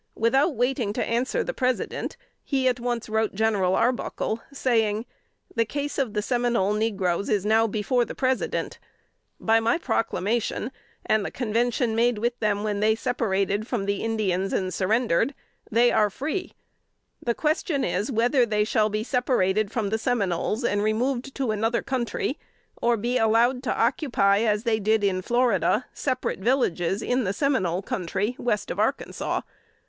Without waiting to answer the President, he at once wrote General Arbuckle, saying, "The case of the Seminole negroes is now before the President. By my proclamation and the convention made with them, when they separated from the Indians and surrendered, they are free. The question is, whether they shall be separated from the Seminoles and removed to another country; or be allowed to occupy, as they did in Florida, separate villages in the Seminole Country, west of Arkansas?